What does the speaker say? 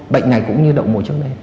bệnh này cũng như đậu mùa trước đây